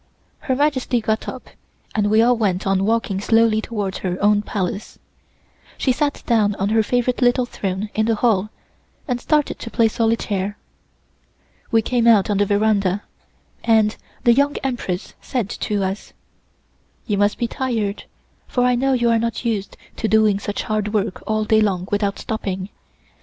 Her Majesty got up and we all went on walking slowly towards her own Palace. She sat down on her favorite little throne in the hall and started to play solitaire. We came out on the veranda, and the Young Empress said to us: "You must be tired, for I know you are not used to doing such hard work all day long without stopping.